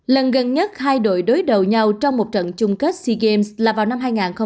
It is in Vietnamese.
lần gần nhất hai đội đối đầu nhau trong một trận chung kết sea games là vào năm hai nghìn năm